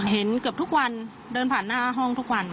เห็นเกือบทุกวันเดินผ่านหน้าห้องทุกวัน